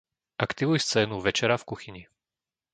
Aktivuj scénu "večera" v kuchyni.